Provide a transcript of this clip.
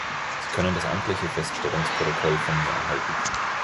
Sie können das amtliche Feststellungsprotokoll von mir erhalten.